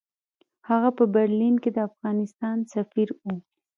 هغه په برلین کې د افغانستان سفیر وو.